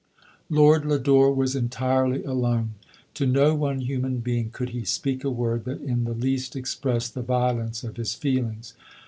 Lord Lodore was entirely alone. To no one human being could he speak a word that in the least expressed the violence of his feelings.